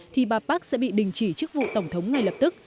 thì bà park sẽ bị đình chỉ chức vụ tổng thống ngay lập tức